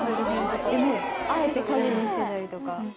あえて影にしてたりとか。